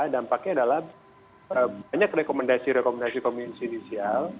dampaknya adalah banyak rekomendasi rekomendasi komisi judisial